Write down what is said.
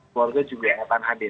keluarga juga akan hadir